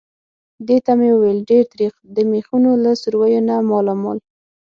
دې ته مې وویل: ډېر تریخ. د مېخونو له سوریو نه مالامال.